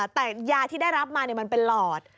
แต่ยาที่ได้รับมามันเป็นหลอด